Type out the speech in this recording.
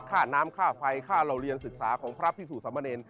ค่าน้ำค่าไฟค่าเหล่าเรียนศึกษาของพระพิสูจนสมเนร